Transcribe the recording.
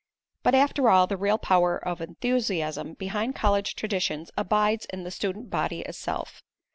But after all, the real power of enthusiasm behind college traditions abides in the student body itself.